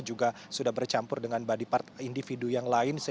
juga sudah bercampur dengan body part individu yang lain